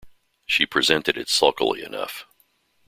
She presented it sulkily enough.